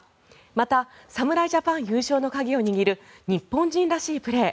また、侍ジャパン優勝の鍵を握る日本人らしいプレー。